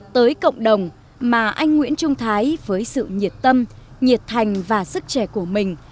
tới cộng đồng mà anh nguyễn trung thái với sự nhiệt tâm nhiệt thành và sức trẻ của mình